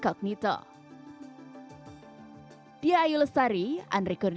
di aplikasi ini kita bisa melihat yang berbayar atau tidak dan juga yang tidak berbayar